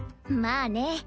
まあね。